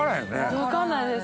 分かんないです。